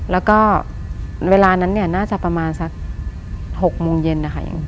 แล้วก็เวลานั้นเนี่ยน่าจะประมาณสัก๖โมงเย็นนะคะ